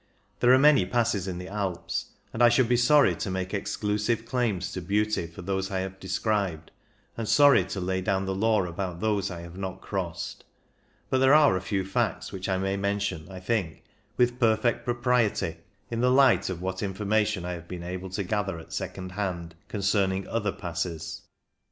There are many passes in the Alps, and I should be sorry to make exclusive claims to beauty for those I have described, and sorry to lay down the law about those I have not crossed. But there are a few facts which I may mention, I think, with perfect pro priety in the light of what information I have been able to gather at second hand concerning other passes.